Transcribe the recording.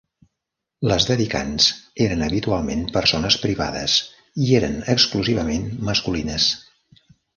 Les dedicants eren habitualment persones privades i eren exclusivament masculines.